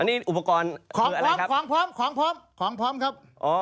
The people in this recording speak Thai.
อันนี้อุปกรณ์คืออะไรครับของพร้อมครับ